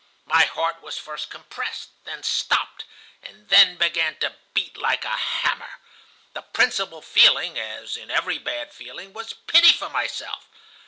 My heart was first compressed, then stopped, and then began to beat like a hammer. The principal feeling, as in every bad feeling, was pity for myself.